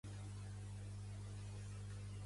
Per la Candelera, la puput amb sa bandera.